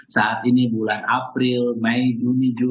saat ini bulan april mei juni juli